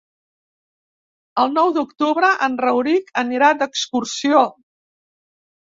El nou d'octubre en Rauric anirà d'excursió.